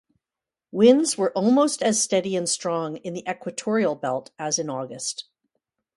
Winds were almost as steady and strong in the equatorial belt as in August.